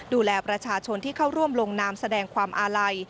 ดูแลประชาชนที่เข้าร่วมลงนามแสดงความอาลัย